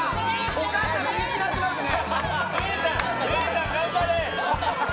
お母さん見失ってますね。